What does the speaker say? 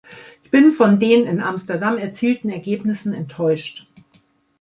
Ich bin von den in Amsterdam erzielten Ergebnissen enttäuscht.